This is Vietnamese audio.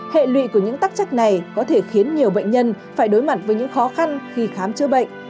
hệ lụy của những tắc trách này có thể khiến nhiều bệnh nhân phải đối mặt với những khó khăn khi khám chữa bệnh